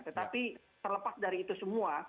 tetapi terlepas dari itu semua